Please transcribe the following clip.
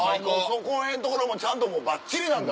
そこら辺ところもちゃんとばっちりなんだ。